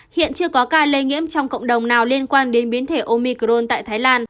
hiện chưa có ca lây nhiễm trong cộng đồng nào liên quan đến biến thể omicron tại thái lan